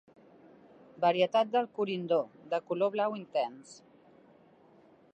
Varietat del corindó, de color blau intens.